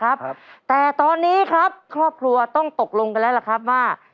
ครับแต่ตอนนี้ครับครอบครัวต้องตกลงกันแล้วล่ะครับว่า